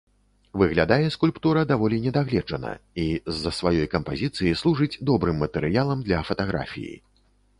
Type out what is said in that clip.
Выглядае скульптура даволі недагледжана, і з-за сваёй кампазіцыі служыць добрым матэрыялам для фатаграфіі.